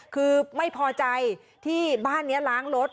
คือไม่พอใจที่บ้านนี้ล้างรถ